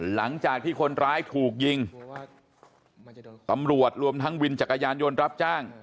หลังจากที่คนร้ายถูกยิงตำรวจรวมทั้งวินจักรยานยนต์รับจ้าง